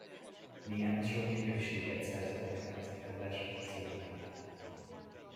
Milyen sok gyönyörűséget szerzett nekem ez a kedves, szép madár!